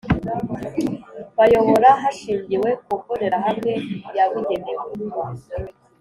bayobora hashingiwe ku mbonerahamwe yabugenewe